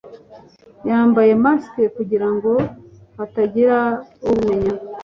Yambaye mask kugirango hatagira ubamenya